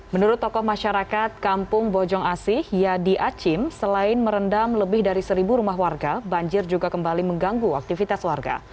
menurut tokoh masyarakat kampung bojong asih yadi acim selain merendam lebih dari seribu rumah warga banjir juga kembali mengganggu aktivitas warga